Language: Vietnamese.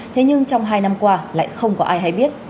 thế nhưng trong hai năm qua lại không có ai hay biết